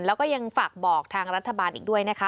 แล้วก็ยังฝากบอกทางรัฐบาลอีกด้วยนะคะ